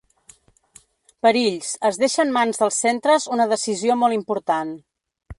Perills: Es deixa en mans dels centres una decisió molt important.